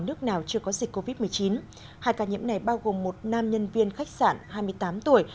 nước nào chưa có dịch covid một mươi chín hai ca nhiễm này bao gồm một nam nhân viên khách sạn hai mươi tám tuổi